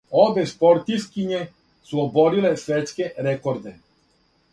Обе спортисткиње су обориле светске рекорде.